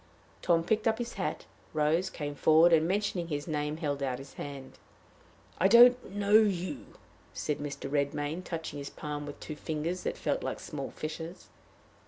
Tom picked up his hat, rose, came forward, and, mentioning his name, held out his hand. "I don't know you," said Mr. Redmain, touching his palm with two fingers that felt like small fishes.